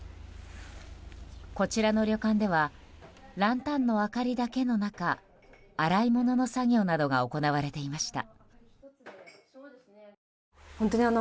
こちらの旅館ではランタンの明かりだけの中洗い物の作業などが行われていました。